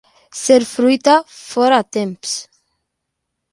Ser fruita fora temps.